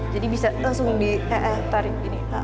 jadi bisa langsung ditarik